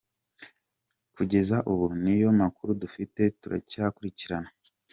Kugeza ubu niyo makuru dufite, turacyakurikirana.”